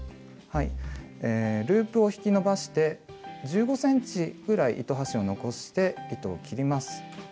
ループを引き伸ばして１５ｃｍぐらい糸端を残して糸を切ります。